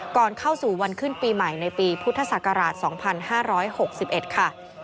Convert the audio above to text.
ก่อนเข้าสู่วันขึ้นปีใหม่ในปีพุทธศักราช๒๕๖๑ค่ะ